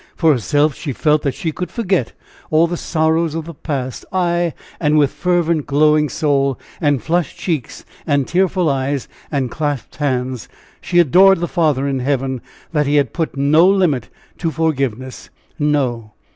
For herself she felt that she could forget all the sorrows of the past; aye! and with fervent glowing soul, and flushed cheeks, and tearful eyes, and clasped hands, she adored the Father in Heaven that He had put no limit to forgiveness no!